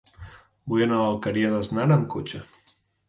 Vull anar a l'Alqueria d'Asnar amb cotxe.